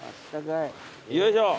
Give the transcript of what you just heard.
よいしょ。